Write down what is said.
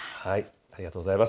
ありがとうございます。